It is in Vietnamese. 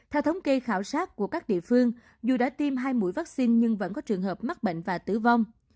theo thống kê khảo sát của các địa phương dù đã tiêm hai mũi vaccine nhưng vẫn có trường hợp mắc bệnh và tử vong